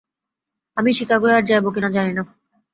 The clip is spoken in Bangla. আমি চিকাগোয় আর যাইব কি না, জানি না।